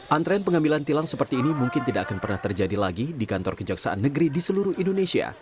antrean pengambilan tilang seperti ini mungkin tidak akan pernah terjadi lagi di kantor kejaksaan negeri di seluruh indonesia